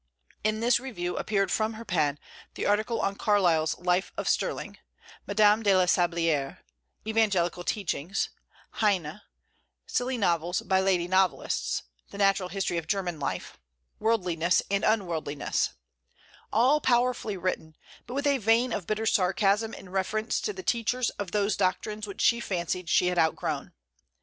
In this Review appeared from her pen the article on Carlyle's "Life of Sterling," "Madame de la Sablière," "Evangelical Teachings," "Heine," "Silly Novels by Lady Novelists," "The Natural History of German Life," "Worldliness and Unworldliness," all powerfully written, but with a vein of bitter sarcasm in reference to the teachers of those doctrines which she fancied she had outgrown.